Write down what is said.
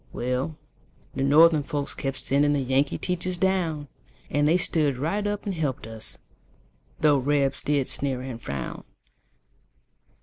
Well, the Northern folks kept sending The Yankee teachers down; And they stood right up and helped us, Though Rebs did sneer and frown.